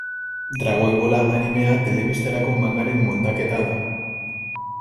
Dragoi Bola animea telebistarako mangaren moldaketa da.